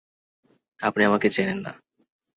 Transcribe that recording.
আপনি আমাকে চেনেন না।